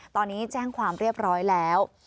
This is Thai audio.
ตอนนี้แจ้งความเรียบร้อยแล้ว